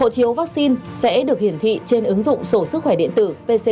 hộ chiếu vaccine sẽ được hiển thị trên ứng dụng sổ sức khỏe điện tử